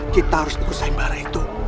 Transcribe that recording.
kita harus ikut saing barah itu